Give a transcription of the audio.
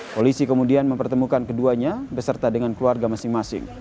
polisi kemudian mempertemukan keduanya beserta dengan keluarga masing masing